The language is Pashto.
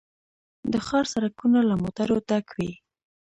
د ښار سړکونه له موټرو ډک وي